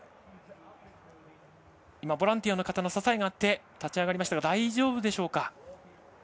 ボランティアの方の支えがあって立ち上がりましたが大丈夫でしょうか。